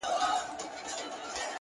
پوه انسان د حقیقت قدر کوي.